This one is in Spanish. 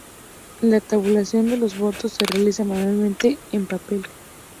La tabulación de los votos se realiza manualmente en papel.